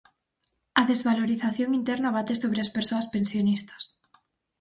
A desvalorización interna bate sobre as persoas pensionistas.